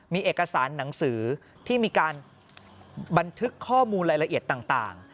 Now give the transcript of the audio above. มีเอกสารหนังสือที่มีการบันทึกข้อมูลรายละเอียดต่าง